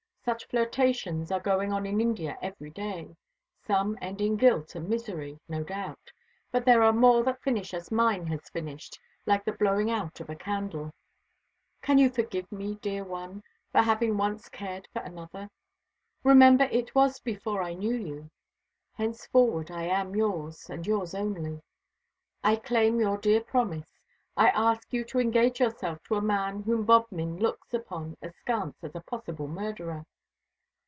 Such flirtations are going on in India every day. Some end in guilt and misery, no doubt; but there are more that finish as mine has finished, like the blowing out of a candle. "Can you forgive me, dear one, for having once cared for another? Remember it was before I knew you. Henceforward I am yours, and yours only. I claim your dear promise. I ask you to engage yourself to a man whom Bodmin looks upon askance as a possible murderer.